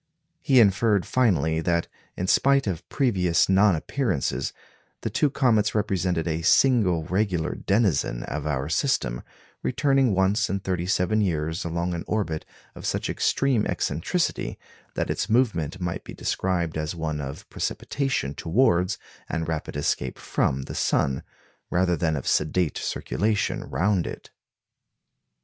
He inferred finally that, in spite of previous non appearances, the two comets represented a single regular denizen of our system, returning once in thirty seven years along an orbit of such extreme eccentricity that its movement might be described as one of precipitation towards and rapid escape from the sun, rather than of sedate circulation round it.